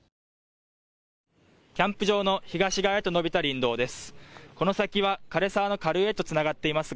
キャンプ場の東側へと延びた林道です。